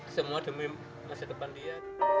semua demi masa depan dia